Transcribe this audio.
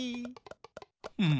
うん。